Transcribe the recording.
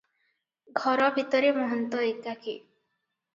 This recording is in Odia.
ଘର ଭିତରେ ମହନ୍ତ ଏକାକୀ ।